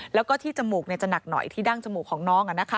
แล้วก็ที่จมูกจะหนักหน่อยที่ดั้งจมูกของน้อง